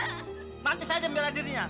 nanti saya jembelah dirinya